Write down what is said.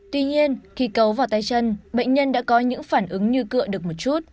tuy nhiên khi cấu vào tay chân bệnh nhân đã có những phản ứng như cựa được một chút